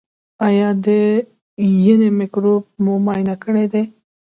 ایا د ینې مکروب مو معاینه کړی دی؟